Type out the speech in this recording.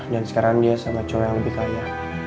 dan sekarang dia sama cowok yang lebih kaya